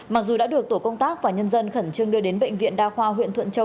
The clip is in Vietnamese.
mặc dù đã được tổ công tác và nhân dân khẩn trương đưa đến bệnh viện đa khoa huyện thuận châu